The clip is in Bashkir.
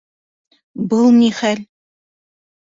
— Был ни хәл?